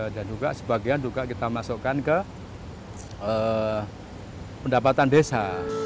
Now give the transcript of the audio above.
dan juga sebagian juga kita masukkan ke pendapatan desa